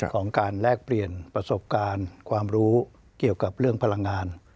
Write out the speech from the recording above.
ของการแลกเปลี่ยนประสบการณ์ความรู้เกี่ยวกับเรื่องพลังงาน